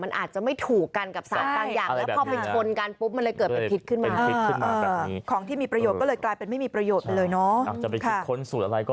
มันอาจจะไม่ถูกกันกับศาสตร์กางอย่าง